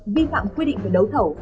vi phạm quy định về đấu thẩu